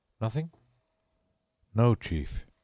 Nothing?" "No, chief."